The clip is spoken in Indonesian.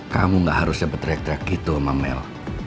kamu gak harusnya bertiak tiak gitu sama mel